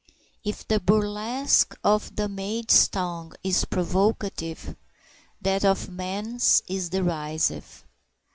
If the burlesque of the maid's tongue is provocative, that of the man's is derisive.